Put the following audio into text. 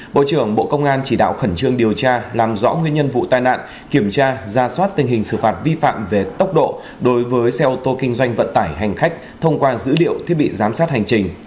bộ trưởng bộ công an chỉ đạo khẩn trương điều tra làm rõ nguyên nhân vụ tai nạn kiểm tra ra soát tình hình xử phạt vi phạm về tốc độ đối với xe ô tô kinh doanh vận tải hành khách thông qua dữ liệu thiết bị giám sát hành trình